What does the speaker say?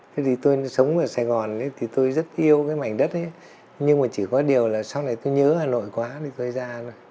thế thì tôi sống ở sài gòn thì tôi rất yêu cái mảnh đất ấy nhưng mà chỉ có điều là sau này tôi nhớ hà nội quá thì tôi ra